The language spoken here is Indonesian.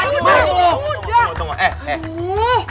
tunggu tunggu eh eh